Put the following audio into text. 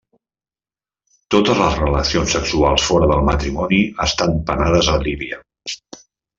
Totes les relacions sexuals fora del matrimoni estan penades a Líbia.